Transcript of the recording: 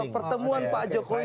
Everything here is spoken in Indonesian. pertemuan pak jokowi